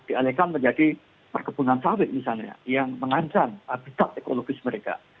dialihkan menjadi perkebunan sawit misalnya yang mengancam habitat ekologis mereka